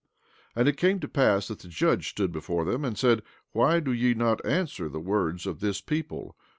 14:19 And it came to pass that the judge stood before them, and said: Why do ye not answer the words of this people?